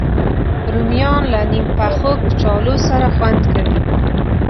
رومیان له نیم پخو کچالو سره خوند کوي